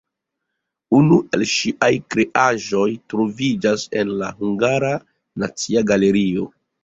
Unu el ŝiaj kreaĵoj troviĝas en la Hungara Nacia Galerio.